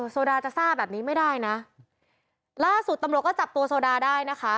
โซดาจะซ่าแบบนี้ไม่ได้นะล่าสุดตำรวจก็จับตัวโซดาได้นะคะ